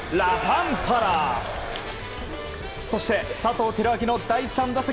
そして、佐藤輝明の第３打席。